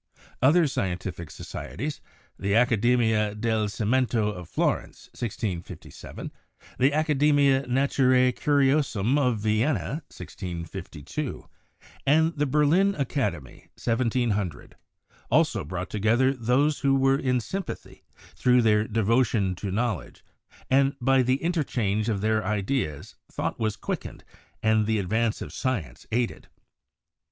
Other scientific societies — the Accademia del Cimento of Florence (1657), the Academia Naturae Curiosum of Vienna (1652), and the Berlin Academy (1700) — also brought together those who were in sym pathy through their devotion to knowledge, and by the in terchange of their ideas thought was quickened and the advance of science aided.